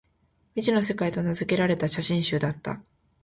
「未知の世界」と名づけられた写真集だった